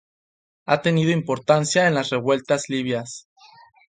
Ha tenido importancia en las revueltas libias.